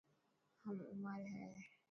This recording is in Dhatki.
هم عمر هي.